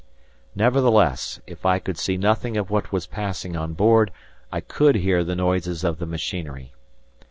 Nevertheless, if I could see nothing of what was passing on board, I could hear the noises of the machinery.